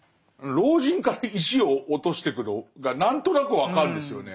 老人から石を落としてくのが何となく分かるんですよね。